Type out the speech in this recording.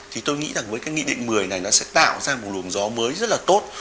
thì tôi nghĩ rằng với cái nghị định một mươi này nó sẽ tạo ra một luồng gió mới rất là tốt